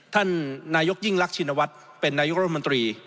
ท่านนายกยิ่งลักษณวัฒน์ชินวัฒน์เป็นนายกรมนตรี